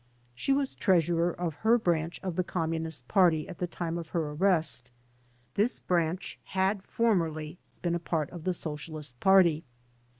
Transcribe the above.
She was Treasurer of her brandi of the Q>aioiunist Party at the time of her arrest. This branch had for merly been a part of the Socialist Party.